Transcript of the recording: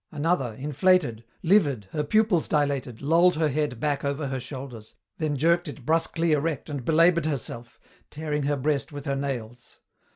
Another, inflated, livid, her pupils dilated, lolled her head back over her shoulders, then jerked it brusquely erect and belaboured herself, tearing her breast with her nails.